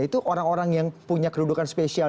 itu orang orang yang punya kedudukan spesial